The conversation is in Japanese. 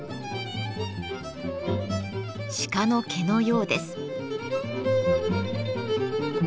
鹿の毛のようです。